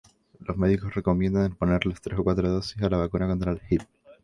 Los médicos recomiendan ponerles tres o cuatro dosis de la vacuna contra el Hib